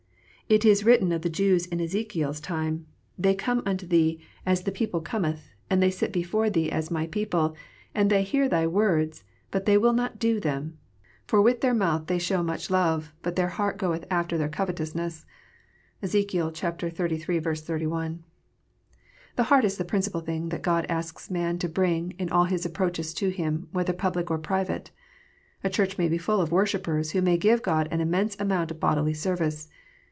It is written of the Jews in Ezekiel s time :" They come unto 284 KNOTS UNTIED. thee as the people cometh, and they sit before thee as My people, and they hear thy words, but they will not do them : for with their mouth they show much love, but their heart goeth after their covetousness." (Ezek. xxxiii. 31.) The heart is the principal thing that God asks man to bring in all his approaches to Him, whether public or private. A church may be full of Worshippers who may give God an immense amount of bodily service.